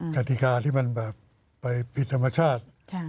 กติกาที่มันแบบไปผิดธรรมชาติ